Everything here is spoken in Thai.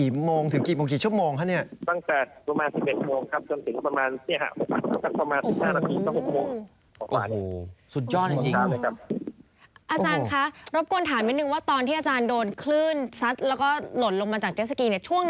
พอขึ้นบางเรือเพราะฝนก็ไม่เห็น